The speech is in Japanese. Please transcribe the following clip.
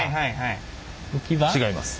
違います。